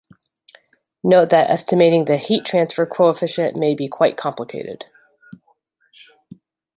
Note that estimating the heat transfer coefficient may be quite complicated.